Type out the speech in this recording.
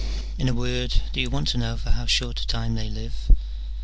In a word, do you want to know for how short a time they live